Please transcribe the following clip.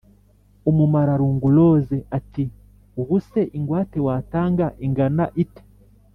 Umumararungu Rose ati: Ubu se ingwate watanga ingana ite